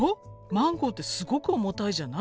マンゴーってすごく重たいじゃない？